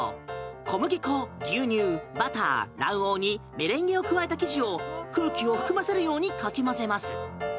小麦粉、牛乳、バター、卵黄にメレンゲを加えた生地を空気を含ませるようにかき混ぜます。